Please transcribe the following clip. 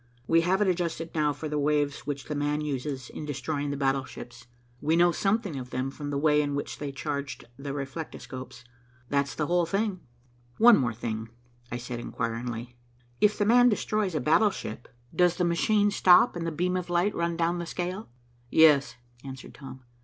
We have it adjusted now for the waves which 'the man' uses in destroying battleships. We know something of them from the way in which they charged the reflectoscopes. That's the whole thing." "One thing more," I said inquiringly. "If 'the man' destroys a battleship, does the machine stop and the beam of light run down the scale." "Yes," answered Tom.